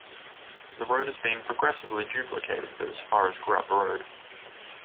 The road has been progressively duplicated as far as Grubb Road.